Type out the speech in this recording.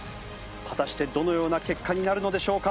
果たしてどのような結果になるのでしょうか？